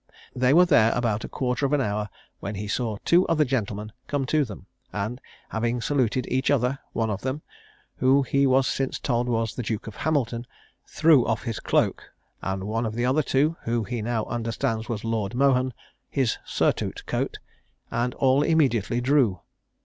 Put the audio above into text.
They were there about a quarter of an hour, when he saw two other gentlemen come to them; and, after having saluted each other, one of them, who he was since told was the Duke of Hamilton, threw off his cloak; and one of the other two, who he now understands was Lord Mohun, his surtout coat, and all immediately drew.